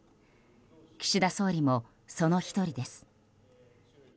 岸田総理もその１人です。